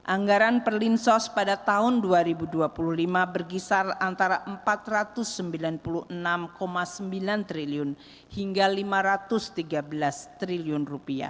anggaran perlinsos pada tahun dua ribu dua puluh lima berkisar antara rp empat ratus sembilan puluh enam sembilan triliun hingga rp lima ratus tiga belas triliun